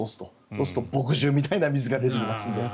そうすると墨汁みたいな水が出てきますので。